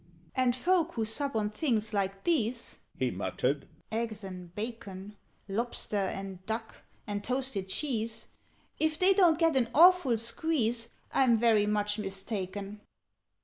"And folk that sup on things like these " He muttered, "eggs and bacon Lobster and duck and toasted cheese If they don't get an awful squeeze, I'm very much mistaken!